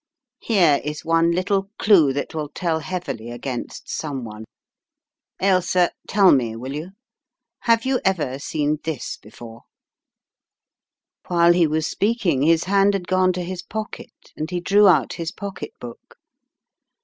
Here is one little clue that will tell heavily against someone. Ailsa, tell me, will you? Have you ever seen this before? " 166 The Riddle of the Purple Emperor While he was speaking his hand had gone to his pocket, and he drew out his pocketbook.